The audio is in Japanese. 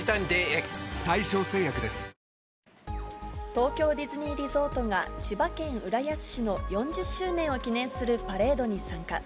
東京ディズニーリゾートが、千葉県浦安市の４０周年を記念するパレードに参加。